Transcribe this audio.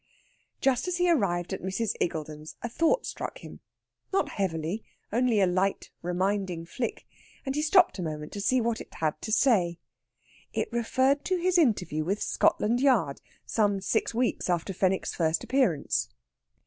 Just as he arrived at Mrs. Iggulden's a thought struck him not heavily; only a light, reminding flick and he stopped a minute to see what it had to say. It referred to his interview with Scotland Yard, some six weeks after Fenwick's first appearance.